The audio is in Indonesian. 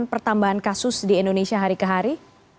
pertambahan kasus di indonesia hari ke hari